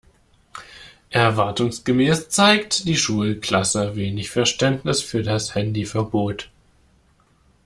Erwartungsgemäß zeigt die Schulklasse wenig Verständnis für das Handyverbot.